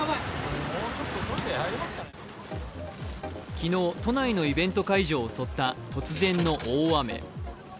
昨日、都内のイベント会場を襲った突然の大雨。